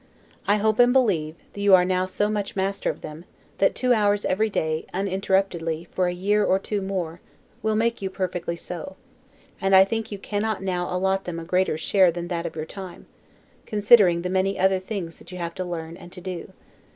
I hope and believe, you are now so much master of them, that two hours every day, uninterruptedly, for a year or two more, will make you perfectly so; and I think you cannot now allot them a greater share than that of your time, considering the many other things you have to learn and to do.